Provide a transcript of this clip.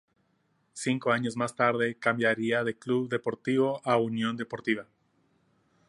Cinco años más tarde cambiaría de Club Deportivo a Unión Deportiva.